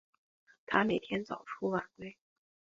他每天早出晚归